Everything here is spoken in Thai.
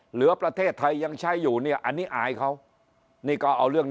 ประเทศไทยยังใช้อยู่เนี่ยอันนี้อายเขานี่ก็เอาเรื่อง